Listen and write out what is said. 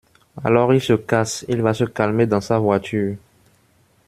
Alors il se casse, il va se calmer dans sa voiture